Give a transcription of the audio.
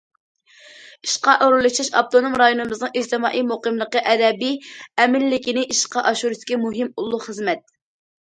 ئىشقا ئورۇنلىشىش ئاپتونوم رايونىمىزنىڭ ئىجتىمائىي مۇقىملىقى، ئەبەدىي ئەمىنلىكىنى ئىشقا ئاشۇرۇشتىكى مۇھىم ئۇللۇق خىزمەت.